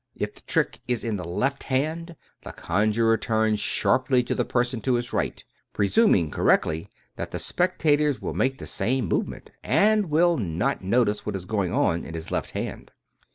... If the trick is in the left hand, the conjurer turns sharply to the person to his right, presuming correctly that the spectators will make the same movement, and will not notice what is going on in the left hand.